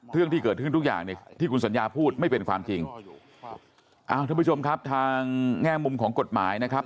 เรื่องที่เกิดขึ้นทุกอย่างเนี่ยที่คุณสัญญาพูดไม่เป็นความจริงอ่าท่านผู้ชมครับทางแง่มุมของกฎหมายนะครับ